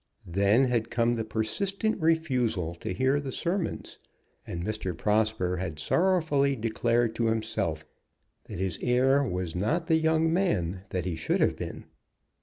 Then had come the persistent refusal to hear the sermons, and Mr. Prosper had sorrowfully declared to himself that his heir was not the young man that he should have been.